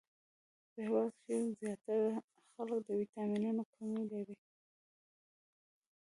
په هیواد کښی ځیاتره خلک د ويټامنونو کمې لری